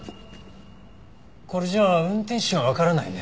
これじゃ運転手はわからないね。